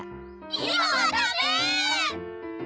今はダメ！